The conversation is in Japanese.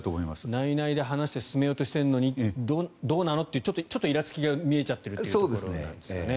内々で話して進めようとしているのにどうなの？というちょっとイラつきが見えちゃっているということなんですかね。